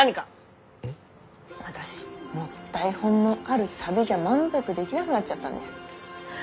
私もう台本のある旅じゃ満足できなくなっちゃったんです。